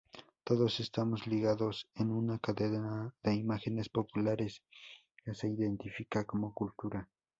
Todos estamos ligados en una cadena de imágenes populares que se identifica como "cultura".